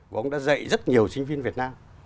và ông đã dạy rất nhiều sinh viên việt nam